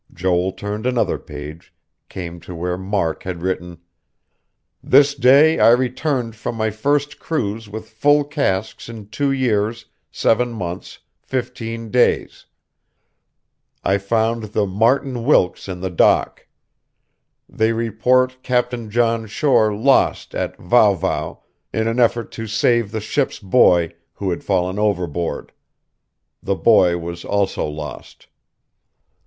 Joel turned another page, came to where Mark had written: "This day I returned from my first cruise with full casks in two years, seven months, fifteen days. I found the Martin Wilkes in the dock. They report Captain John Shore lost at Vau Vau in an effort to save the ship's boy, who had fallen overboard. The boy was also lost."